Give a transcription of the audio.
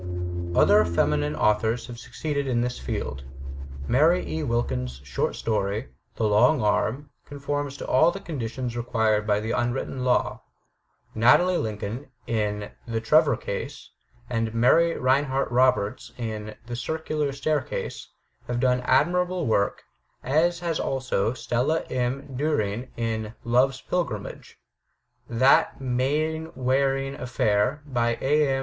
Other feminine authors have succeeded in this field. Mary E. Wilkins* short story, "The Long Arm/' conforms to all the conditions required by the imwritten law. Natalie Lincoln, in "The Trevor Case,'* and Mary Rinehart Roberts, in "The Circular Staircase,'* have done admirable work, as has also Stella M. Diiring in "Love's Privilege." "That Mainwaring Affair," by A. M.